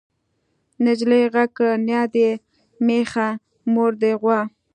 نجلۍ غږ کړ نيا دې مېښه مور دې غوا.